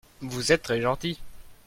Vous êtes très gentil.